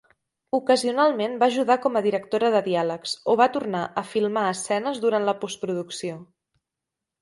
Ocasionalment va ajudar com a directora de diàlegs o va tornar a filmar escenes durant la post-producció.